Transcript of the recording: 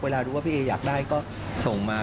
รู้ว่าพี่เออยากได้ก็ส่งมา